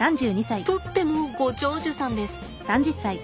プッペもご長寿さんです。